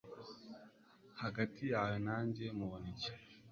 Hagati yawe nanjye, mubona iki?